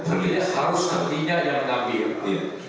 harus pertanyaannya yang nambil